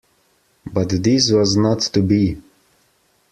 But this was not to be.